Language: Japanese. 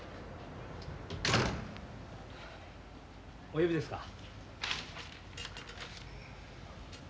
お呼びですか？